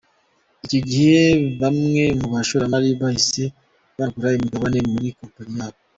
Icyo gihe baamwe mu bashoramari bahise banagura imigabane muri kompanyi yabo.